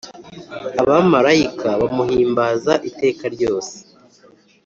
Abamalayika bamuhimbaza iteka ryose